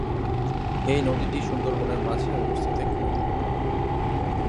এই নদীটি সুন্দরবনের মাঝে অবস্থিত একটি নদী।